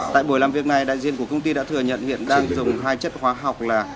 tại buổi làm việc này đại diện của công ty đã thừa nhận hiện đang dùng hai chất hóa học là